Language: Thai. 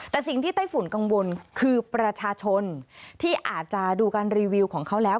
แต่สิ่งที่ไต้ฝุ่นกังวลคือประชาชนที่อาจจะดูการรีวิวของเขาแล้ว